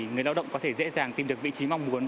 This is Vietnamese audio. người lao động có thể dễ dàng tìm được vị trí mong muốn